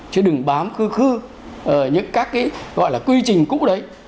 chứ đừng bám cư khư những các cái gọi là quy trình cũ đấy